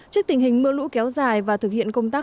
trước tình hình mưa lũ kéo dài và thực hiện công tác